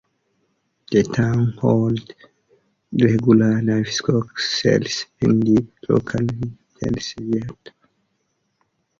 The town holds regular livestock sales in the local saleyards.